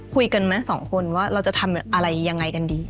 คุยกันไหมสองคนว่าเราจะทำอะไรยังไงกันดี